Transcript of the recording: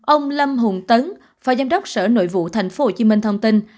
ông lâm hùng tấn phó giám đốc sở nội vụ tp hcm thông tin